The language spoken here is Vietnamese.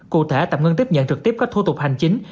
cụ thể tập ngân tiếp nhận trực tiếp các thủ tục hành chính